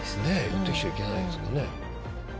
寄ってきちゃいけないですもんね。